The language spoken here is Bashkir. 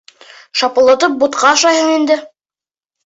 — Шапылдатып бутҡа ашайһың инде?